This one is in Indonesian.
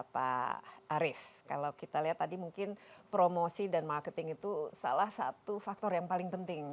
pak arief kalau kita lihat tadi mungkin promosi dan marketing itu salah satu faktor yang paling penting